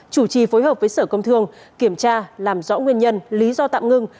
chủ trì phối hợp với sở công thương kiểm tra làm rõ nguyên nhân lý do tạm ngưng